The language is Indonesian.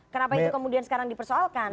kenapa itu kemudian sekarang dipersoalkan